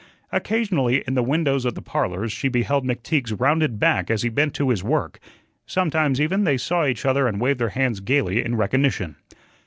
Occasionally in the windows of the "Parlors" she beheld McTeague's rounded back as he bent to his work. Sometimes, even, they saw each other and waved their hands gayly in recognition.